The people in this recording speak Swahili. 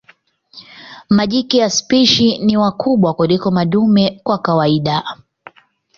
Majike ya spishi ni wakubwa kuliko madume kwa kawaida.